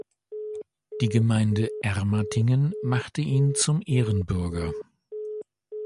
Die Gemeinde Ermatingen machte ihn zum Ehrenbürger.